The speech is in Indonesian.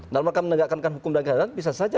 dalam rangka menegakkan hukum dan kehadiran bisa saja